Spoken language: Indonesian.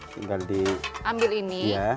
tinggal diambil ini